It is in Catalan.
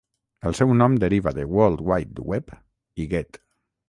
El seu nom deriva de "World Wide Web" i "get".